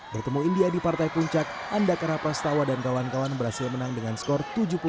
bertemu india di partai puncak anda karapas tawa dan kawan kawan berhasil menang dengan skor tujuh puluh delapan enam puluh delapan